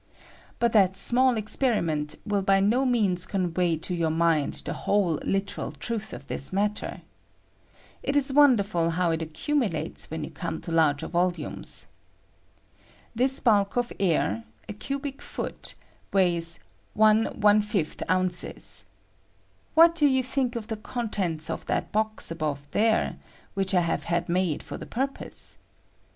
But that small experiment will by no means convey to your mind the whole literal truth of this matter. It is wonderful how it aooumulatea when you come to larger volumes. ^Bapp 132 WEIGHT OF THE ATMOSPHEEB. Tbia bulk of air [a cubic foot] weighs 1^ oz. What do you think of the contenta of that box above there which I have had made for the purpose?